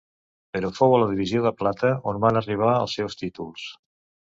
Però fou a la divisió de plata on van arribar els seus títols.